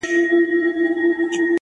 بگوت گيتا د هندوانو مذهبي کتاب ـ